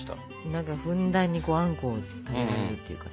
何かふんだんにあんこを食べられるっていうかさ。